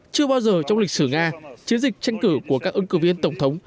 chưa bao giờ trong lịch sử nga chiến dịch tranh cử của các ứng cử viên tổng thống